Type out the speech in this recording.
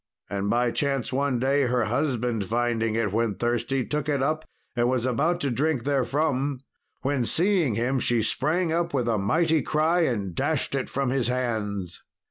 And by chance one day her husband finding it when thirsty, took it up and was about to drink therefrom, when, seeing him, she sprang up with a mighty cry and dashed it from his hands.